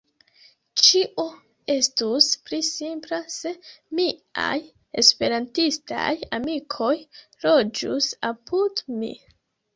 Ĉio estus pli simpla se miaj Esperantistaj amikoj loĝus apud mi.